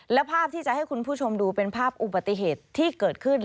และภาพที่จะให้คุณผู้ชมดูเป็นภาพอุบัติเหตุที่เกิดขึ้น